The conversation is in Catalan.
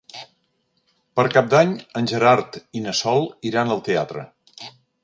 Per Cap d'Any en Gerard i na Sol iran al teatre.